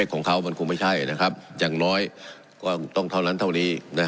ของเขามันคงไม่ใช่นะครับอย่างน้อยก็ต้องเท่านั้นเท่านี้